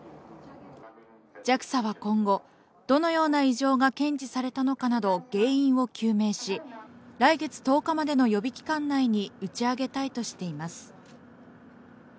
ＪＡＸＡは今後、どのような異常が検知されたのかなど原因を究明し、来月１０日までの予備期間内に打ち上げたいとしています。